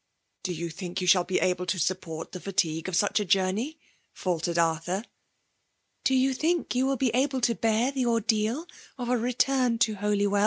'*" «*Bo you thmk 70a shaft be able to Jup port the Jatigue of such a journey?^ ftUered Arthar. ''Do you think you will be able to beer tte titdaal of a return to Holywdl?